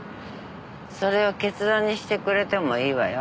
それを結論にしてくれてもいいわよ。